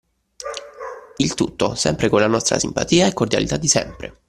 Il tutto sempre con la nostra simpatia e cordialità di sempre!